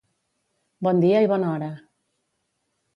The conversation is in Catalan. Bon dia i bona hora.